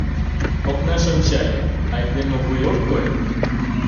Окнаш ончале — айдеме вуй ок кой.